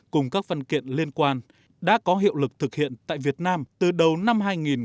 cùng các văn kiện liên quan đã có hiệu lực thực hiện tại việt nam từ đầu năm hai nghìn một mươi chín